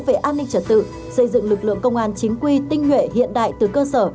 về an ninh trật tự xây dựng lực lượng công an chính quy tinh nguyện hiện đại từ cơ sở